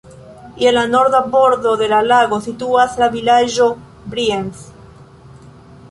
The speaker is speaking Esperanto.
Je la norda bordo de la lago situas la vilaĝo Brienz.